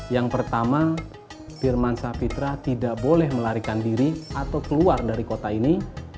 yang pertama firman sapitra tidak boleh melarikan diri atau keluar dari kota ini